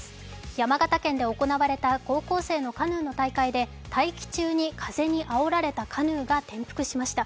山形県で行われた高校生のカヌーの大会で待機中に風にあおられたカヌーが転覆しました。